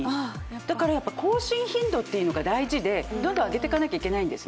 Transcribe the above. だから更新頻度というのが大事でどんどん上げてかなきゃいけないんですよ。